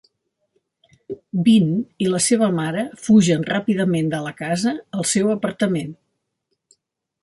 Binh i la seva mare fugen ràpidament de la casa al seu apartament.